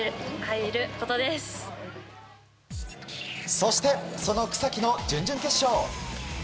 そして、その草木の準々決勝。